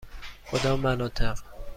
کدام مناطق؟